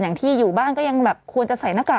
อย่างที่อยู่บ้านก็ยังควรจะใส่หน้ากาก